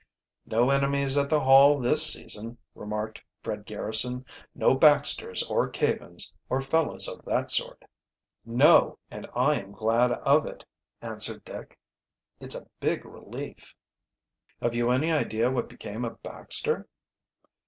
"No enemies at the Hall this season," remarked Fred Garrison, "no Baxters or Cavens, or fellows of that sort." "No, and I am glad of it," answered Dick. "It's a big relief." "Have you any idea what became of Baxter?"